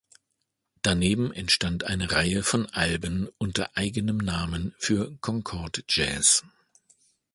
Daneben entstand eine Reihe von Alben unter eigenem Namen für Concord Jazz.